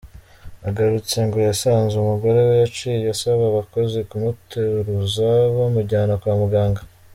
Agarutse, ngo yasanze umugore we yaciye, asaba abakozi kumuteruza bamujyana kwa muganga.